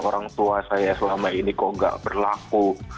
orang tua saya selama ini kok nggak berlaku